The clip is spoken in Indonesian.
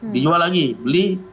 dijual lagi beli